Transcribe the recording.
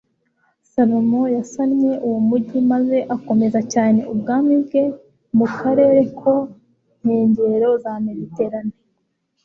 salomo yasannye uwo mujyi maze akomeza cyane ubwami bwe mu karere ko nkengero za meditarane